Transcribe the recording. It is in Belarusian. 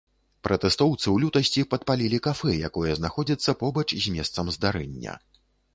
Пратэстоўцы ў лютасці падпалілі кафэ, якое знаходзіцца побач з месцам здарэння.